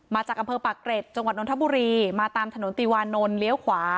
มาจากอำเภอปากเกร็ดจังหวัดนทบุรีมาตามถนนติวานนท์เลี้ยวขวา